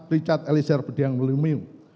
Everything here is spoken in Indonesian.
richard elisir bediang mulyumiung